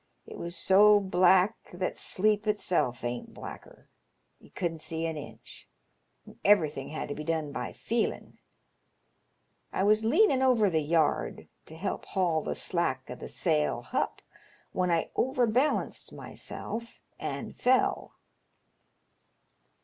It was so black that sleep itself ain't blacker. Ye couldn't see an inch, and everything had to be done by feelin'. I was leanin* over the yard to help haul the slack o' th' sail hup when I overbalanced myself and fell.